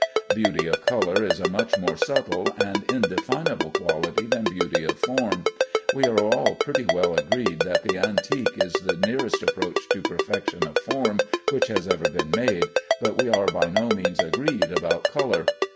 Beauty of color is a much more subtle and indefinable quality than beauty of form. We are all pretty well agreed that the antique is the nearest approach to perfection of form which has ever been made, but we are by no means agreed about color.